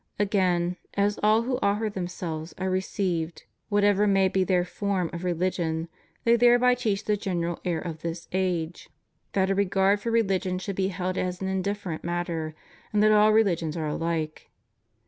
Again, as all who offer themselves are received whatever may be their form of religion, they thereby teach the great error of this age 92 FREEMASONRY. — that a regard for religion should be held as an indif ferent matter, and that all religions are ahke.